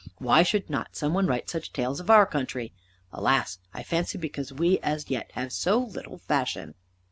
Why should not some one write such tales of our country? Alas, I fancy because as yet we have so little fashion."